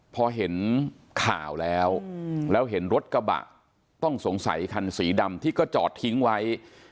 พอเห็นข่าวแล้วแล้วเห็นรถกระบะต้องสงสัยคันสีดำที่ก็จอดทิ้งไว้